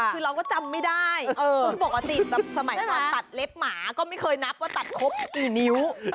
คือเราก็จำไม่ได้เพราะปกติสมัยก่อนตัดเล็บหมาก็ไม่เคยนับว่าตัดครบกี่นิ้ว